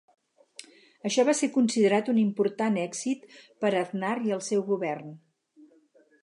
Això va ser considerat un important èxit per Aznar i el seu govern.